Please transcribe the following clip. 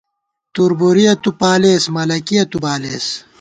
تُوربُوریہ تُو پالېس ، ملَکِیہ تُو بالېس